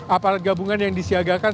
apalagi gabungan yang disiagakan